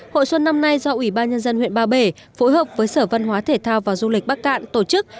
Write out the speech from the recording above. hội xuân năm nay do ủy ban nhân dân huyện ba bể phối hợp với sở văn hóa thể thao và du lịch bắc cạn tổ chức